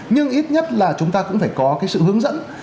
nhưng ít nhất là chúng ta cũng phải có cái sự hướng dẫn